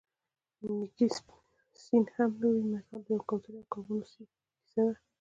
نیکي سین هم نه وړي متل د یوې کوترې او کبانو کیسه ده